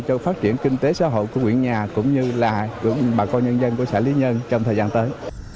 cho phát triển kinh tế xã hội của huyện nhà cũng như là bà con nhân dân của xã lý nhơn trong thời gian tới